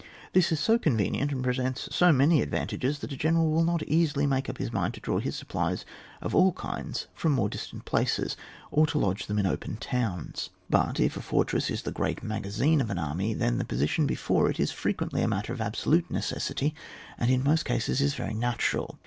This is so con venient, and presents so many advan tages, that a general will not easily make up his mind to draw his supplies of all kinds from more distant places, or to lodge them in open towns. But if a fortress is the great magazine of an army, then the position before it is frequently a matter of absolute necessity, and in most cases is very natural.